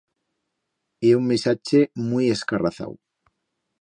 Ye un misache muit escarrazau.